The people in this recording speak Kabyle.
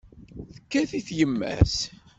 Tekkat-it yemma-s.